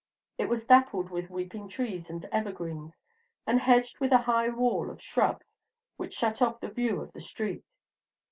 It was dappled with weeping trees and evergreens, and hedged with a high wall of shrubs which shut off the view of the street.